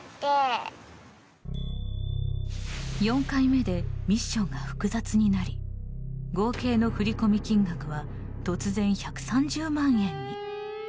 ４回目でミッションが複雑になり合計の振込金額は突然１３０万円に。